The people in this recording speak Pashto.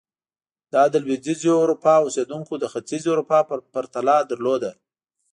دا د لوېدیځې اروپا اوسېدونکو د ختیځې اروپا په پرتله درلود.